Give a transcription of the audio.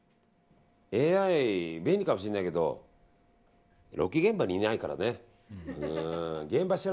ＡＩ便利かもしれないけどロケ現場にいないからね。